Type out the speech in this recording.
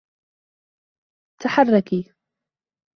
تحرّكِ.